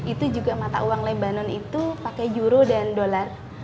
itu juga mata uang lebanon itu pakai euro dan dolar